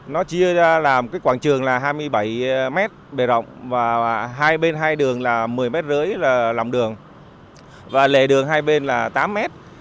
nó chia ra là quảng trường là hai mươi bảy mét đề rộng hai bên hai đường là một mươi mét rưỡi là lòng đường lề đường hai bên là tám mét